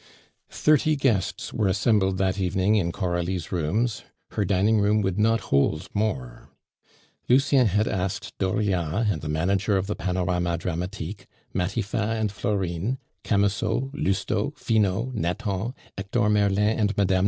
Thirty guests were assembled that evening in Coralie's rooms, her dining room would not hold more. Lucien had asked Dauriat and the manager of the Panorama Dramatique, Matifat and Florine, Camusot, Lousteau, Finot, Nathan, Hector Merlin and Mme.